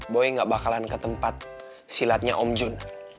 boy gak bakalan ke tempat silatnya om jun